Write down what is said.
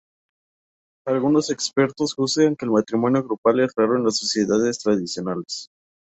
Algunos expertos juzgan que el matrimonio grupal es raro en las sociedades tradicionales.